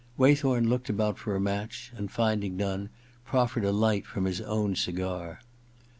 Waythorn looked about for a match, and finding none, proffered a light from his own cigar.